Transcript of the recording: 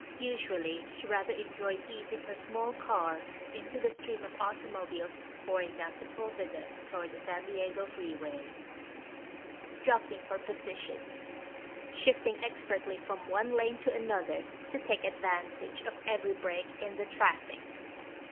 Usually she rather enjoyed easing her small car into the stream of automobiles pouring down Sepulveda toward the San Diego Freeway, jockeying for position, shifting expertly from one lane to another to take advantage of every break in the traffic.